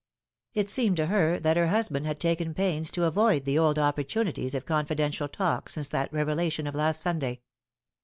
It seemed to her that her husband had taken pains to avoid the old opportunities of confidential talk since that revelation of last Sunday.